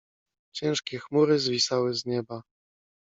Ciężkie chmury zwisały z nieba.